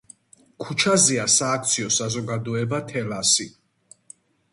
ქუჩაზეა სააქციო საზოგადოება „თელასი“.